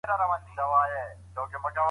د رب په نوم زده کړه پيل کړئ.